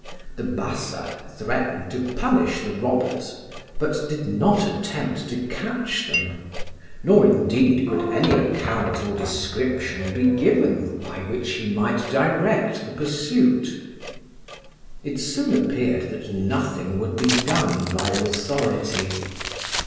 The Bassa threatened to punish the robbers, but did not attempt to catch them; nor indeed could any account or description be given by which he might direct the pursuit. It soon appeared that nothing would be done by authority.